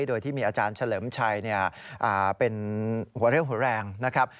โดยที่มีอาจารย์เฉลิมชัยเป็นหัวเรี่ยวหัวแรงนะครับ